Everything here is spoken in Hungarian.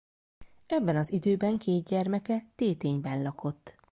Ebben az időben két gyermeke Tétényben lakott.